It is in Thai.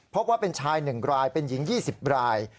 พบว่าเป็นชาย๑รายเป็นหญิง๒๐ราย